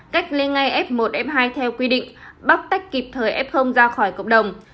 cách ly ngay f một f hai theo quy định bóc tách kịp thời f ra khỏi cộng đồng